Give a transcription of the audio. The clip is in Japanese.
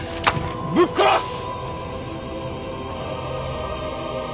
ぶっ殺す！